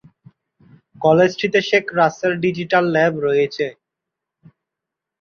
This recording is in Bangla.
কলেজটিতে শেখ রাসেল ডিজিটাল ল্যাব রয়েছে।